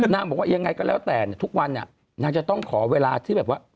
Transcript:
นางบอกว่ายังไงก็แล้วแต่ทุกวันนางจะต้องขอเวลาที่แบบว่า